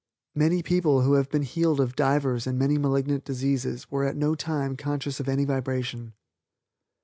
Many people who have been healed of divers and many malignant diseases were at no time conscious of any vibration.